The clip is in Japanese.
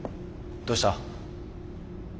どうした？